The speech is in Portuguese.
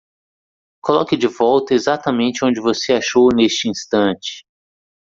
Coloque de volta exatamente onde você achou neste instante.